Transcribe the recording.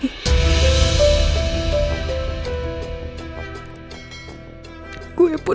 gue pun udah berpikir